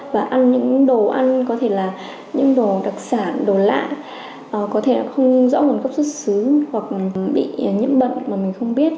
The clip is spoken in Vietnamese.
và ăn những đồ ăn có thể là những đồ đặc sản đồ lạ có thể là không rõ nguồn gốc xuất xứ hoặc bị nhiễm bệnh mà mình không biết